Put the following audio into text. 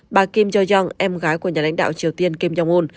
bà kim jo young em gái của nhà lãnh đạo triều tiên kim jong un